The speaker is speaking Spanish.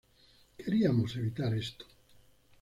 Queríamos evitar esto.